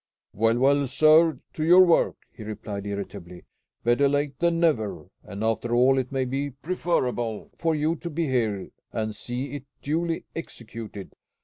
"Well, well, sir, to your work!" he replied irritably. "Better late than never; and after all it may be preferable for you to be here and see it duly executed.